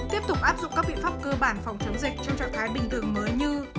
tiếp tục áp dụng các biện pháp cơ bản phòng chống dịch trong trạng thái bình thường mới như